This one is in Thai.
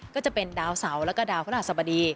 ก็จะเป็นดาวเสาแล้วก็ดาวพระราชสบดี